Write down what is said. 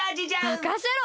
まかせろ！